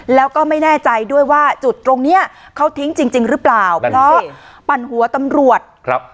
แล้วก็ไม่แน่ใจด้วยว่าจุดตรงเนี้ยเขาทิ้งจริงจริงหรือเปล่าเพราะปั่นหัวตำรวจครับ